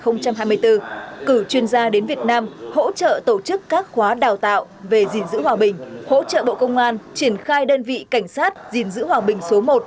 năm hai nghìn hai mươi bốn cử chuyên gia đến việt nam hỗ trợ tổ chức các khóa đào tạo về gìn giữ hòa bình hỗ trợ bộ công an triển khai đơn vị cảnh sát gìn giữ hòa bình số một